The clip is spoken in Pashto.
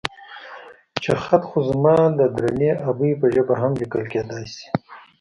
چې خط خو زما د درنې ابۍ په ژبه هم ليکل کېدای شي.